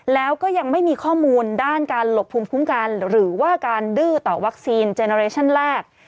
แล้วก็ยังไม่มีข้อมูลด้านการหลบภูมิคุ้มกันหรือว่าการดื้อต่อวัคซีนเจนอเรชั่นแรก